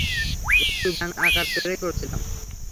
একটু ব্যাঙ আঁকার ট্রাই করছিলাম।